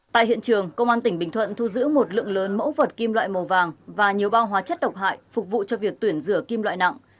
tại hiện trường công an tỉnh bình thuận thu giữ một lượng lớn mẫu vật kim loại màu vàng và nhiều bao hóa chất độc hại phục vụ cho việc tuyển rửa kim loại nặng